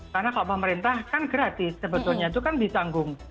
karena kalau pemerintah kan gratis sebetulnya itu kan ditanggung